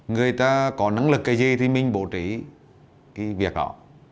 người ta có năng lực cái gì thì mình bổ trí cái việc đó